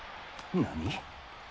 何？